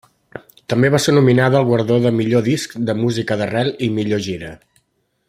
També va ser nominada al guardó de Millor disc de música d'arrel i Millor gira.